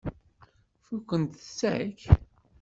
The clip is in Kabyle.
Fukkent-tt akk.